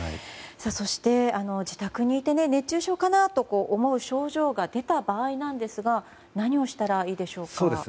そして、自宅にいて熱中症かなと思う症状が出た場合なんですが何をしたらいいでしょうか。